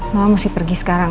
mama mesti pergi sekarang